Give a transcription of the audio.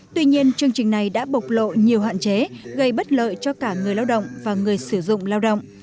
tuy nhiên chương trình này đã bộc lộ nhiều hạn chế gây bất lợi cho cả người lao động và người sử dụng lao động